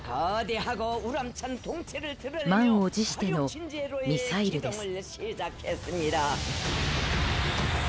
満を持してのミサイルです。